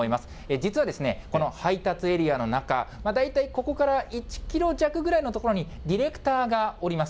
実は、この配達エリアの中、大体ここから１キロ弱ぐらいの所に、ディレクターがおります。